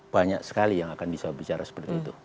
banyak sekali yang akan bisa bicara seperti itu